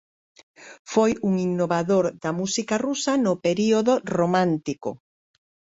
Foi un innovador da música rusa no período romántico.